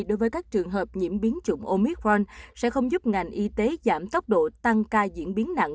đối với các trường hợp nhiễm biến chủng omit fron sẽ không giúp ngành y tế giảm tốc độ tăng ca diễn biến nặng